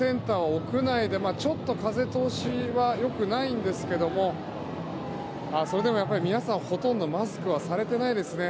屋内でちょっと風通しは良くないんですがそれでも皆さんほとんどマスクはされていないですね。